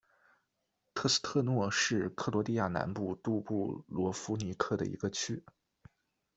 特斯特诺是克罗地亚南部杜布罗夫尼克的一个区。